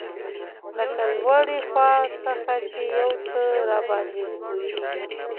لکه له لوړې خوا څخه چي یو څه راباندي تویېږي.